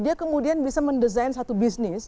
dia kemudian bisa mendesain satu bisnis